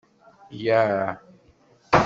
Yah!